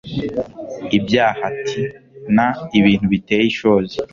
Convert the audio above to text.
ibyaha t n ibintu biteye ishozi